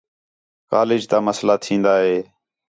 کالج تا مسئلہ تِھین٘دا ہِے